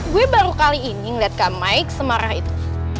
gue baru kali ini ngeliat kak mike semarah itu